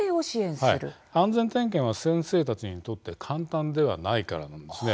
安全点検は先生たちにとって簡単ではないからなんです。